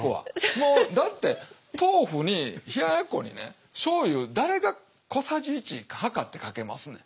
もうだって豆腐に冷ややっこにねしょうゆ誰が小さじ１量ってかけますねん。